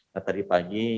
nah tadi pagi